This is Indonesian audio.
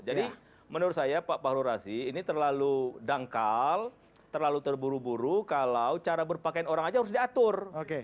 jadi menurut saya pak pak horasi ini terlalu dangkal terlalu terburu buru kalau cara berpakaian orang aja harus diatur